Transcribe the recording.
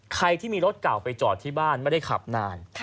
ใครที่มีรถเก่าไปจอดที่บ้านไม่ได้ขับนาน